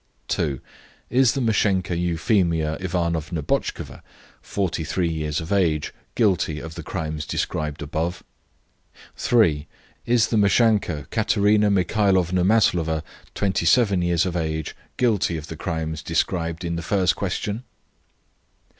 2. Is the meschanka Euphemia Ivanovna Botchkova, 43 years of age, guilty of the crimes described above? 3. Is the meschanka Katerina Michaelovna Maslova, 27 years of age, guilty of the crimes described in the first question?